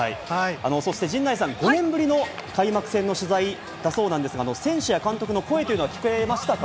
そして陣内さん、５年ぶりの開幕戦の取材だそうですが、選手や監督の声というのは聞こえましたか？